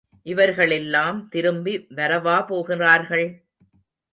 இவர்களெல்லாம் திரும்பி வரவா போகிறார்கள்?